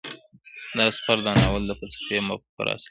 دا سفر د ناول د فلسفي مفکورو اصلي محرک و.